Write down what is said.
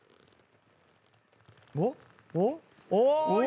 お！